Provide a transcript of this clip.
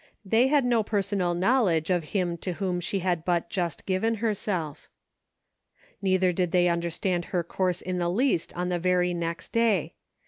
They had no per sonal knowledge of Him to whom she had but just given herself. Neither did they understand her course in the least on the very next day.